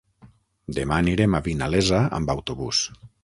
Demà anirem a Vinalesa amb autobús.